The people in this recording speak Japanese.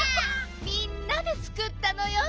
みんなでつくったのよ。